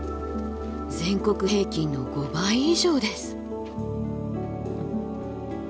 全国平均の５倍以上です。